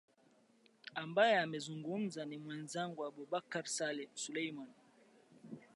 ambaye amezungumza na mwenzangu abubakar suleiman